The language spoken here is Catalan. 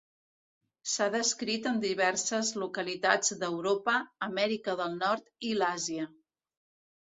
S'ha descrit en diverses localitats d'Europa, Amèrica del Nord i l'Àsia.